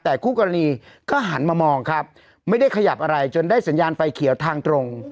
แต่คู่กรณีก็หันมามองครับไม่ได้ขยับอะไรจนได้สัญญาณไฟเขียวทางตรง